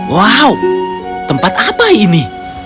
wow tempat apa ini